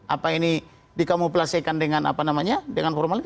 apa ini dikamuflasekan dengan formalin